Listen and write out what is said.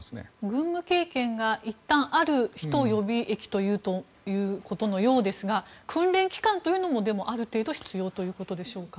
軍務経験がいったん、ある人を予備役というということことのようですが訓練期間も、ある程度必要だということですか。